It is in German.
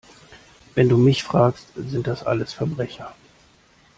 Wenn du mich fragst, sind das alles Verbrecher!